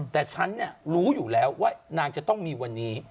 แต่ฉันรู้อยู่แล้วว่านางจะต้องมีวันนี้